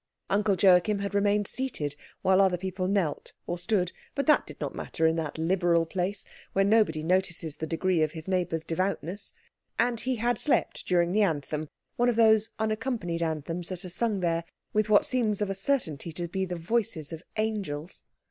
Uncle Joachim had remained seated while other people knelt or stood; but that did not matter in that liberal place, where nobody notices the degree of his neighbour's devoutness. And he had slept during the anthem, one of those unaccompanied anthems that are sung there with what seem of a certainty to be the voices of angels.